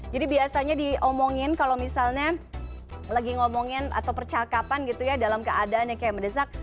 jadi biasanya diomongin kalau misalnya lagi ngomongin atau percakapan gitu ya dalam keadaannya kayak mendesak